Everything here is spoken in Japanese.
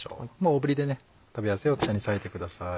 大ぶりで食べやすい大きさに裂いてください。